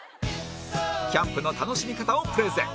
キャンプの楽しみ方をプレゼン